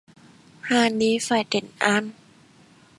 Hà ni phải trấn An